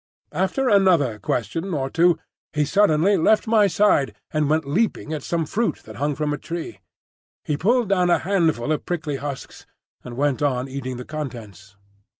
After another question or two he suddenly left my side and went leaping at some fruit that hung from a tree. He pulled down a handful of prickly husks and went on eating the contents.